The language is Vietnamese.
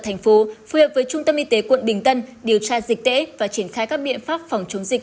thành phố phù hợp với trung tâm y tế quận bình tân điều tra dịch tễ và triển khai các biện pháp phòng chống dịch